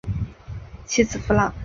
其子苻朗。